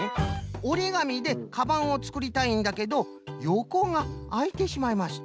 おりがみでかばんをつくりたいんだけどよこがあいてしまいますと。